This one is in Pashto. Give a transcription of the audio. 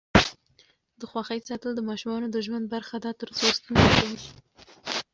د خوښۍ ساتل د ماشومانو د ژوند برخه ده ترڅو ستونزې کمې شي.